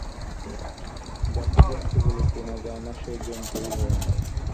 যাকে জন্তু বলে চেনা যায় না সেই জন্তুই ভয়ানক।